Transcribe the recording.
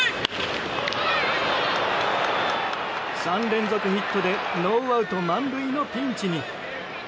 ３連続ヒットでノーアウト満塁のピンチに。